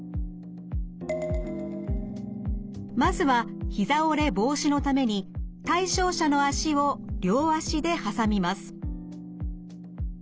まずはひざ折れ防止のために対象者の足を両足で挟みます。